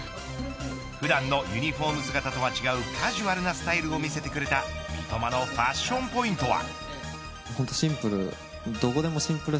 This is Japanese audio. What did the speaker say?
普段のユニホーム姿とは違うカジュアルなスタイルを見せてくれた三笘のファッションポイントは。